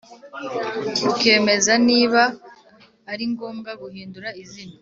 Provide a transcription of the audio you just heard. bukemeza niba ari ngombwa guhindura izina